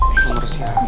eh seluruh siang